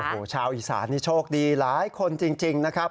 โอ้โหชาวอีสานนี่โชคดีหลายคนจริงนะครับ